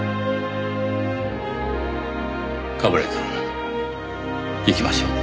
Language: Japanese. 冠城くん行きましょう。